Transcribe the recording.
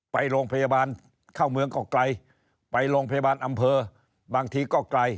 ไปโรงพยาบาลเข้าเมืองก็ไกลไปโรงพยาบาลอำเภอบางทีก็ไกล